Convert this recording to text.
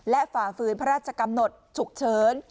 และฝ่าฝืนพระราชกำหนดฉุกเฉิน